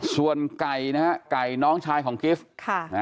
ส่วนไก่นะครับไก่น้องชายของกิฟต์